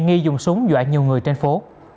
nghi dùng súng dọa nhiều người trên phố